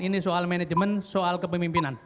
ini soal manajemen soal kepemimpinan